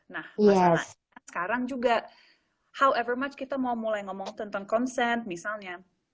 nah sekarang juga however much kita mau mulai ngomong tentang consent misalnya